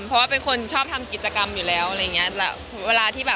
เพราะเป็นคนชอบทำกิจกรรมอยู่แล้ว